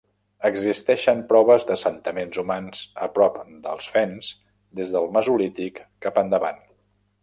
Existeixen proves d'assentaments humans a prop dels Fens des del mesolític cap endavant.